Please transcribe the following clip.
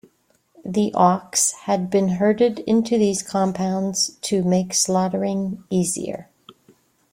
The Auks had been herded into these compounds to make slaughtering easier.